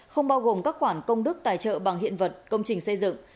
không bao gồm các khoản công đức tài trợ bằng hiện vật công trình xây dựng